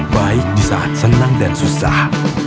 baik di saat senang dan susah